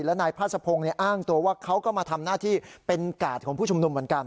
และนายพาสะพงศ์อ้างตัวว่าเขาก็มาทำหน้าที่เป็นกาดของผู้ชุมนุมเหมือนกัน